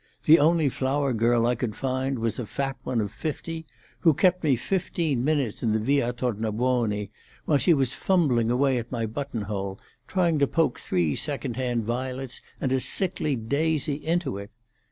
The only flower girl I could find was a fat one of fifty, who kept me fifteen minutes in Via Tornabuoni while she was fumbling away at my button hole, trying to poke three second hand violets and a sickly daisy into it.